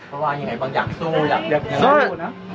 เพราะว่าอย่างไรบางอย่างสู้อย่างไรอยู่นะ